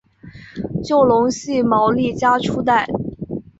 就隆系毛利家初代。